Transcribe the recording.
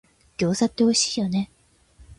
餃子っておいしいよね